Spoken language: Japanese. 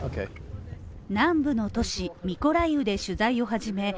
南部の都市ミコライウで取材を始め